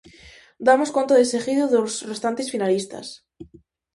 Damos conta deseguido dos restantes finalistas: